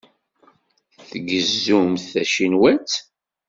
Tgezzumt tacinwat?